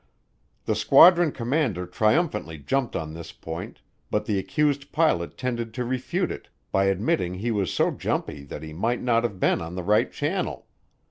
The squadron commander triumphantly jumped on this point, but the accused pilot tended to refute it by admitting he was so jumpy that he might not have been on the right channel.